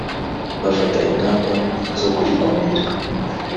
bafata ingamba zo kuyikumira